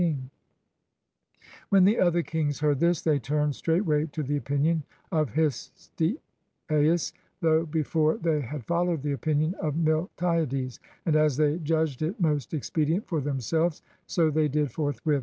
344 KING DARIUS AND THE FLYING SCYTHIANS When the other kings heard this they turned straight way to the opinion of Histiajus, though before they had followed the opinion of Miltiades. And as they judged it most expedient for themselves, so they did forthwith.